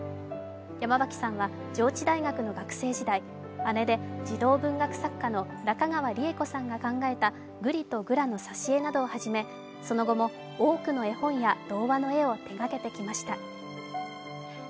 山脇さんは上智大学の学生時代、姉で児童文学作家の中川李枝子さんが考えた「ぐりとぐら」の挿絵などをはじめ、その後も多くの絵本や童話の絵を手がけてきました。